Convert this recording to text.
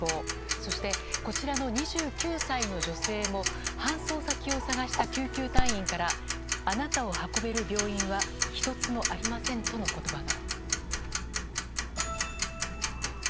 そして、こちらの２９歳の女性も搬送先を探した救急隊員からあなたを運べる病院は１つもありませんとの言葉が。